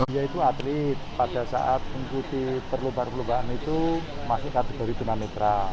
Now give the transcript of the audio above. dia itu atlet pada saat mengikuti perlubahan perlubahan itu masih kategori tunanetra